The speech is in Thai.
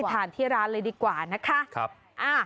ทานที่ร้านเลยดีกว่านะคะ